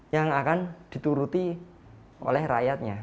yang akan dituruti oleh rakyatnya